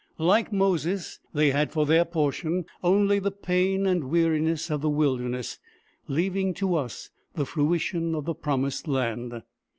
Like Moses, they had for their portion only the pain and weariness of the wilderness, leaving to us the fruition of the promised land.